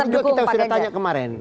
pak sandi juga kita sudah tanya kemarin